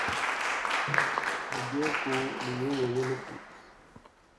Mi byɛɛ koo li yegee li likut.